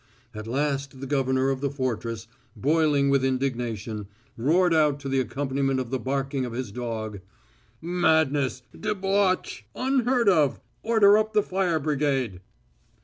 At last, the governor of the fortress, boiling with indignation, roared out to the accompaniment of the barking of his dog: "Madness! Debauch! Unheard of! Order up the fire brigade!"